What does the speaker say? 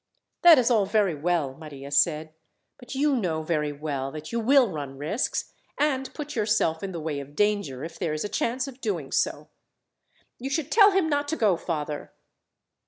"That is all very well," Maria said; "but you know very well that you will run risks, and put yourself in the way of danger, if there is a chance of doing so. "You should tell him not to go, father!"